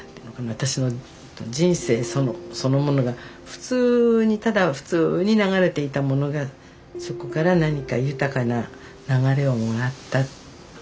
私の人生そのものが普通にただ普通に流れていたものがそこから何か豊かな流れをもらったっていう感じですかね。